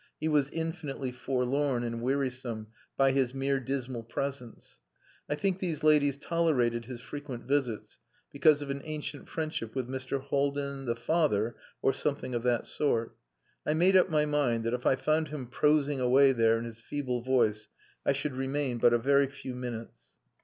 He was infinitely forlorn and wearisome by his mere dismal presence. I think these ladies tolerated his frequent visits because of an ancient friendship with Mr. Haldin, the father, or something of that sort. I made up my mind that if I found him prosing away there in his feeble voice I should remain but a very few minutes.